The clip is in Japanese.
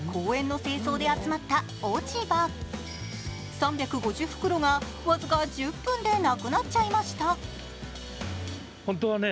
３５０袋が僅か１０分でなくなっちゃいました。